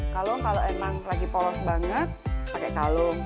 kalung kalau memang lagi polos banget pakai kalung